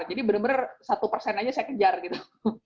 jadi bener bener satu persen aja saya kejar gitu